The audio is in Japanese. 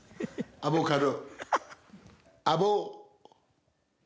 アボカド！